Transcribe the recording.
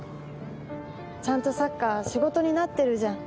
ちゃんとサッカー仕事になってるじゃん。